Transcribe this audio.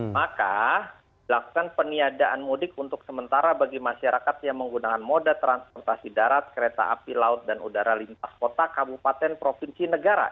maka dilakukan peniadaan mudik untuk sementara bagi masyarakat yang menggunakan moda transportasi darat kereta api laut dan udara lintas kota kabupaten provinsi negara